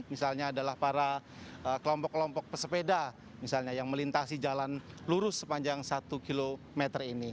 misalnya adalah para kelompok kelompok pesepeda misalnya yang melintasi jalan lurus sepanjang satu km ini